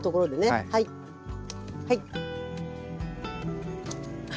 はい。